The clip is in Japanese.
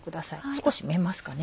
少し見えますかね？